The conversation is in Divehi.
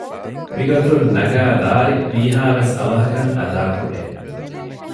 މިގޮތުން ނަގައި ލާރި ވީހައިވެސް އަވަހަކަށް އަދާކުރޭ